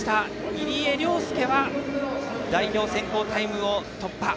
入江陵介は代表選考タイムを突破。